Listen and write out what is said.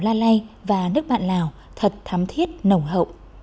la lai và nước bạn lào thật thắm thiết nồng hậu